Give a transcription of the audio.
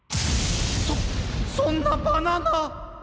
そそんなバナナ！